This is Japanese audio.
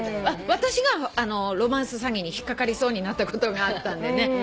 私がロマンス詐欺に引っ掛かりそうになったことがあったんでね。